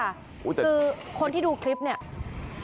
คือคนที่ดูคลิปเนี่ย